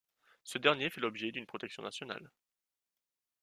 Ce dernier fait l’objet d’une protection nationale.